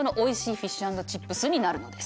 フィッシュ＆チップスになるのです。